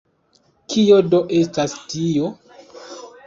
Kio do estas tio?